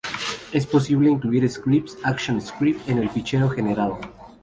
Es posible incluir scripts ActionScript en el fichero generado.